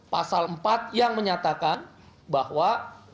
pasal empat yang menyatakan bahwa